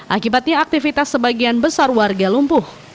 akibatnya aktivitas sebagian besar warga lumpuh